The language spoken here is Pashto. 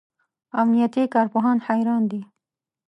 امنیتي کارپوهان حیران دي.